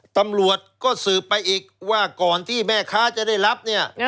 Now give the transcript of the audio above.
ตำรวจก็สืบไปอีกว่าก่อนที่แม่ค้าจะได้รับเนี่ย